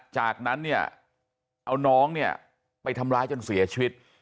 จากนั้นเนี่ยเอาน้องเนี่ยไปทำร้ายจนเสียชีวิต